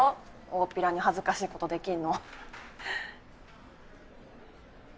おおっぴらに恥ずかしいことできんの。